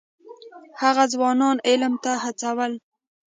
هغه ځوانان علم ته هڅول.